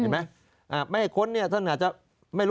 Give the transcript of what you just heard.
ไม่ให้ค้นเนี่ยท่านอาจจะ